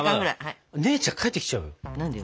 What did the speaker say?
姉ちゃん帰ってきちゃうよ。